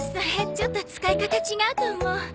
ちょっと使い方違うと思う。